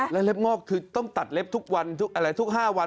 แล้วเล็บงอกคือต้องตัดเล็บทุกวันทุกอะไรทุก๕วัน